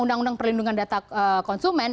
undang undang perlindungan data konsumen